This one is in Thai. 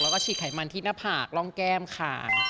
แล้วก็ฉีดไขมันที่หน้าผากร่องแก้มค่ะ